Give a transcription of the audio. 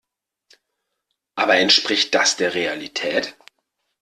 Aber entspricht das der Realität?